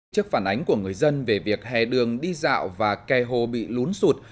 trước phản ánh của người dân về việc hè đường đi dạo và kè hồ bị lún sụt